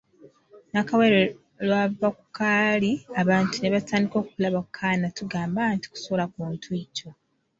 Nakawere lw'ava ku kaali abantu ne batandika okulaba ku kaana tugamba nti kusula ku ntujjo.